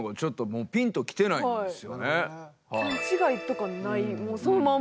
勘違いとかないもうそのまんま。